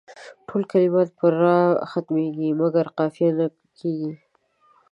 ټول کلمات پر راء ختمیږي مګر قافیه نه کیږي.